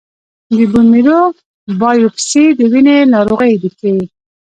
د بون میرو بایوپسي د وینې ناروغۍ ښيي.